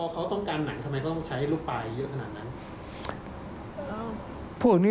เขาต้องการหนังทำไมเขาต้องใช้ลูกปลายเยอะขนาดนั้น